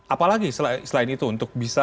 apa lagi selain itu untuk bisa